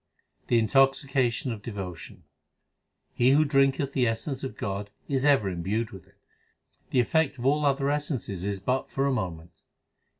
The intoxication of devotion : He who drinketh the essence of God is ever imbued with it ; The effect of all other essences is but for a moment.